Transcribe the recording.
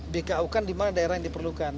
bko kan di mana daerah yang diperlukan